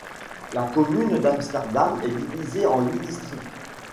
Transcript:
La commune d'Amsterdam est divisée en huit districts.